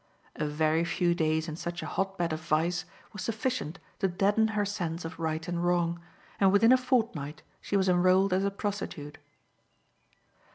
A very few days in such a hot bed of vice was sufficient to deaden her sense of right and wrong, and within a fortnight she was enrolled as a prostitute.